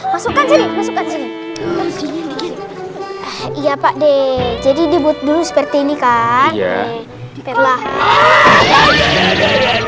masukkan sini masukkan sini iya pak d jadi dibutuh seperti ini kak ya perlahan lahan